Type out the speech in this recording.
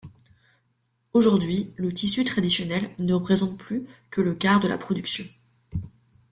Aujourd'hui, le tissu traditionnel ne représente plus que le quart de la production.